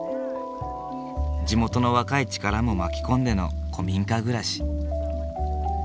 地元の若い力も巻き込んでの古民家暮らし。